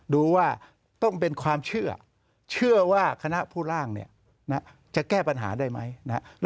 ดูว่าต้องเป็นความเชื่อเชื่อว่าคณะผู้ร่างเนี่ยจะแก้ปัญหาได้ไหมนะครับ